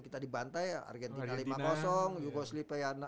kita dibantai argentina lima puluh